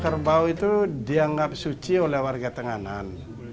kerbau itu dianggap suci oleh warga tenganan